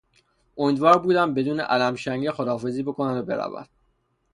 امیدوار بودم بدون الم شنگه خداحافظی بکند و برود.